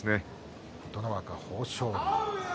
琴ノ若、豊昇龍。